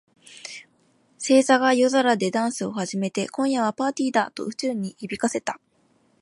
星座が夜空でダンスを始めて、「今夜はパーティーだ！」と宇宙に響かせた。